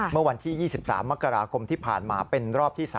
เมื่อวันที่๒๓มกราคมที่ผ่านมาเป็นรอบที่๓